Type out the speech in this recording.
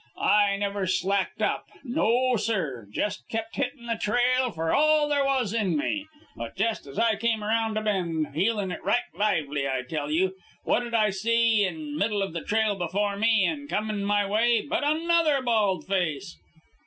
I never slacked up. No, sir! Jest kept hittin' the trail for all there was in me. But jest as I came around a bend, heelin' it right lively I tell you, what'd I see in middle of the trail before me, and comin' my way, but another bald face!